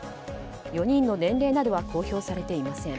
４人の年齢などは公表されていません。